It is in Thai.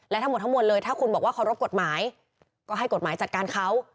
และทั้งหมดทั้งมวลเลยถ้าคุณบอกว่าเคารพกฎหมายก็ให้กฎหมายจัดการเขา